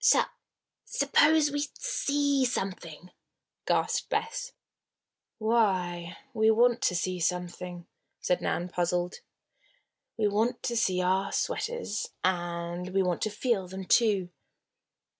"Sup suppose we see something?" gasped Bess. "Why, we want to see something," said Nan, puzzled. "We want to see our sweaters. And we want to feel them, too."